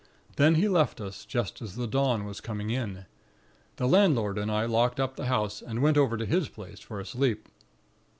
Then he left us, just as the dawn was coming in. The landlord and I locked up the house, and went over to his place for a sleep.